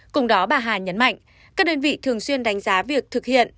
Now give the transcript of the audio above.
cùng đó bà hà nhấn mạnh các đơn vị thường xuyên đánh giá việc thực hiện